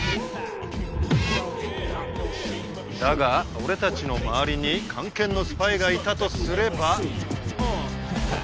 だが俺たちの周りに菅研のスパイがいたとすれば。